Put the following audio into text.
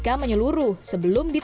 perahu menemukan anyone buddy